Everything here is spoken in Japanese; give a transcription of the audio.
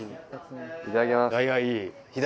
いただきます。